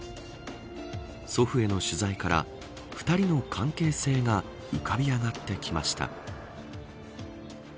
祖父への取材から２人の関係性が浮かび上がってきました。